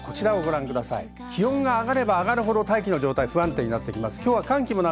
気温が上がれば上がるほど大気の状態が不安定になってきています。